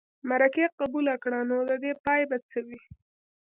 مرکې قبوله کړه نو د دې پای به څه وي.